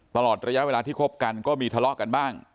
ตลอดระยะเวลาที่คบกันก็มีทะเลาะกันบ้าง